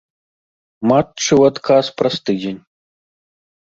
Матчы ў адказ праз тыдзень.